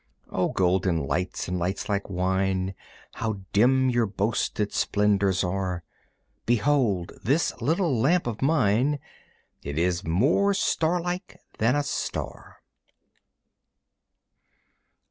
O golden lights and lights like wine, How dim your boasted splendors are. Behold this little lamp of mine; It is more starlike than a star!